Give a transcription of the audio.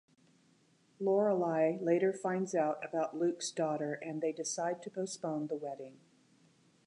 Lorelai later finds out about Luke's daughter and they decide to postpone the wedding.